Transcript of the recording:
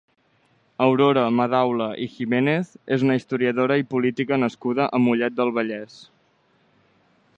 Aurora Madaula i Giménez és una historiadora i política nascuda a Mollet del Vallès.